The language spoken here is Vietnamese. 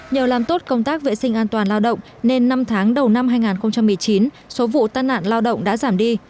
nhờ làm tốt công tác vệ sinh an toàn lao động nên năm tháng đầu năm hai nghìn một mươi chín số vụ tai nạn lao động đã giảm đi